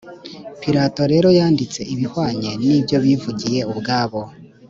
pilato rero yanditse ibihwanye n’ibyo bivugiye ubwabo